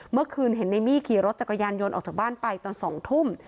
เมื่อคืนเห็นในมี่ขี่รถจักรยานยนต์ออกจากบ้านไปตอน๒ทุ่ม